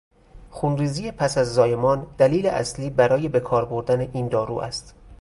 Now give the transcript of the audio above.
خونریزی پس از زایمان دلیل اصلی برای به کار بردن این دارو است.